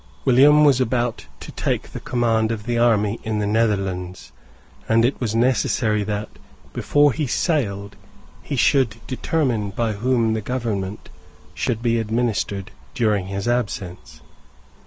William was about to take the command of the army in the Netherlands; and it was necessary that, before he sailed, he should determine by whom the government should be administered during his absence.